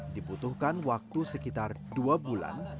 dibutuhkan waktu sekitar dua bulan